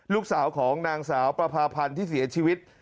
ลูกสาวของนางสาวประพาพันธ์ที่เสียชีวิต